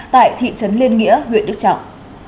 tại thị trấn liên nghĩa huyện đức trọng